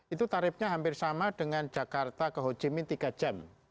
itu tarifnya hampir sama dengan jakarta ke ho jimin tiga jam